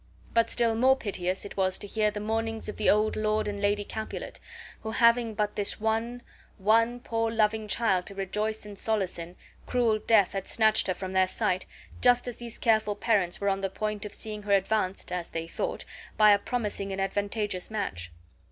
But still more piteous it was to hear the mournings of the old Lord and Lady Capulet, who having but this one, one poor loving child to rejoice and solace in, cruel death had snatched her from their sight, just as these careful parents were on the point of seeing her advanced (as they thought) by a promising and advantageous match.